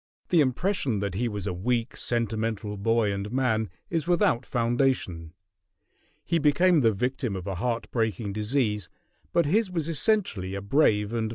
The impression that he was a weak, sentimental boy and man is without foundation. He became the victim of a heart breaking disease; but his was essentially a brave and manly nature.